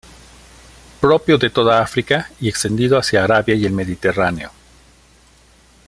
Propio de toda África y extendido hacia Arabia y el Mediterráneo.